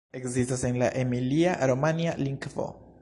Ekzistas en la emilia-romanja lingvo.